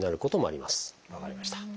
分かりました。